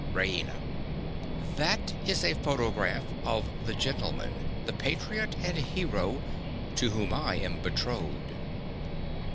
_) RAINA. That is a photograph of the gentleman—the patriot and hero—to whom I am betrothed.